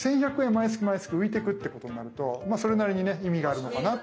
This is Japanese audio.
毎月毎月浮いてくってことになるとそれなりにね意味があるのかなと。